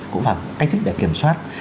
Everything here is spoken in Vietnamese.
cũng là cách thức để kiểm soát